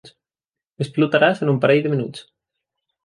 Explotaràs en un parell de minuts.